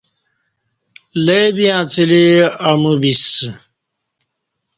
لے ویں اڅہ لی امعو بِسہ